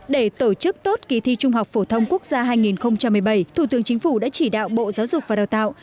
để tổ chức tốt kỳ thi trung học phổ thông quốc gia hai nghìn một mươi bảy thủ tướng chính phủ đã chỉ đạo bộ giáo dục và đào tạo